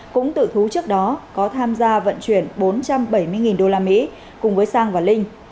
cũng tự thú trước đó có tham gia vận chuyển bốn trăm bảy mươi đô la mỹ cùng với sang và linh